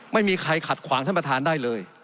ไม่มีใครขัดขวางท่านประธานได้เลย